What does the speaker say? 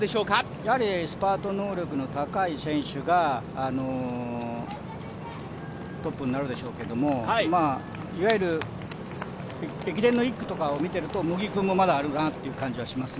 やはりスパート能力の高い選手がトップになるでしょうけれども、いわゆる、駅伝の１区とかをみてみると茂木君もまだあれかなという感じがします。